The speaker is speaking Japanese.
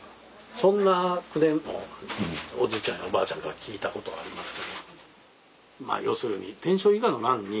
そんな口伝もおじいちゃんやおばあちゃんから聞いたことありますね。